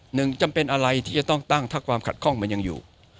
หนึ่งจำเป็นอะไรที่จะต้องตั้งถ้าความขัดข้องมันยังอยู่